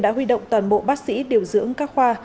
và bộ bác sĩ điều dưỡng các khoa